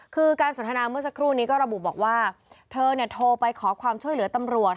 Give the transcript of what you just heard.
คือการสนทนาเมื่อสักครู่นี้ก็ระบุบอกว่าเธอโทรไปขอความช่วยเหลือตำรวจ